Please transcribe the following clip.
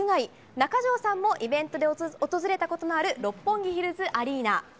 中条さんもイベントで訪れたことのある六本木ヒルズアリーナ。